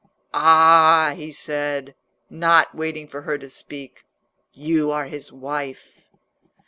"Ah!" he said, not waiting for her to speak, "you are his wife."